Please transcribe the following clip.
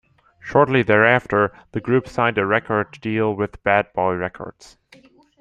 Shortly thereafter, the group signed a record deal with Bad Boy Records.